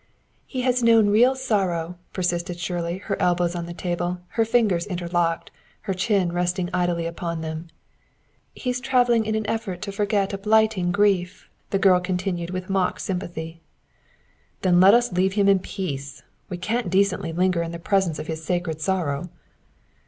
"He has known real sorrow," persisted Shirley, her elbows on the table, her fingers interlocked, her chin resting idly upon them. "He's traveling in an effort to forget a blighting grief," the girl continued with mock sympathy. "Then let us leave him in peace! We can't decently linger in the presence of his sacred sorrow."